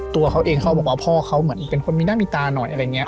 ตัวเขาเองเขาบอกว่าพ่อเขาเหมือนเป็นคนมีหน้ามีตาหน่อยอะไรอย่างนี้